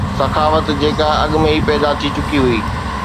سخاوت جيڪا اڳ ۾ ئي پيدا ٿي چڪي هئي